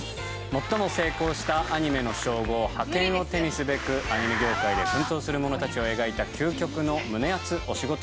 最も成功したアニメの称号覇権を手にすべくアニメ業界で奮闘する者たちを描いた究極の胸熱お仕事